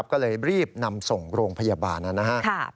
ก็เลยรีบนำส่งโรงพยาบาลนะครับ